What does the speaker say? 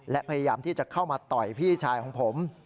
และพยายามที่จะเข้ามาต่อยพี่ชายของผม